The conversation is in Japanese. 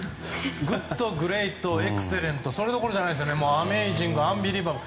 グッド、グレートエクセレントそれどころじゃなくてアメイジング、アンビリバボー。